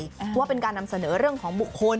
ว่าเป็นการนำเสนอเรื่องของบุคคล